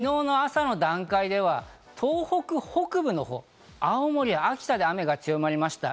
昨日の午前０時ですが、昨日の朝の段階では、東北北部の青森、秋田で雨が強まりました。